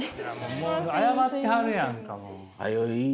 もう謝ってはるやんか！